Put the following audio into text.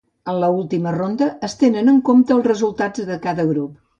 En l'última ronda, es tenen en compte els resultats de cada grup.